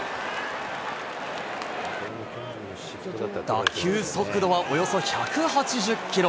打球速度はおよそ１８０キロ。